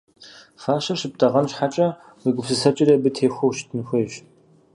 Фащэр щыптӀэгъэн щхьэкӀэ, уи гупсысэкӀэри абы техуэу щытын хуейщ.